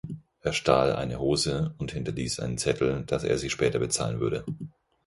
Er stahl eine Hose und hinterließ einen Zettel, dass er sie später bezahlen würde.